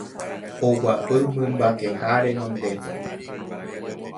Oguapy mymbakeha renondépe